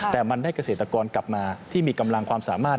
แต่มันได้เกษตรกรกลับมาที่มีกำลังความสามารถ